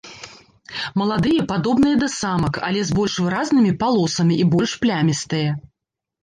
Маладыя падобныя да самак, але з больш выразнымі палосамі і больш плямістыя.